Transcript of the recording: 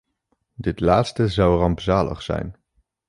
Dit laatste zou rampzalig zijn.